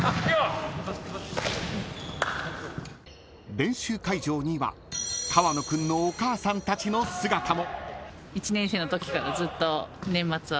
［練習会場には川野君のお母さんたちの姿も］